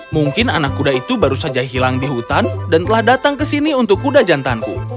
mungkin anak kuda itu baru saja hilang di hutan dan telah datang ke sini untuk kuda jantanku